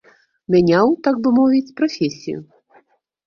Мяняў, так бы мовіць, прафесію.